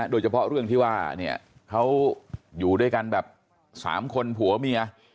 โดยเฉพาะเรื่องที่ว่าเนี่ยเขาอยู่ด้วยกันแบบ๓คนผัวเมีย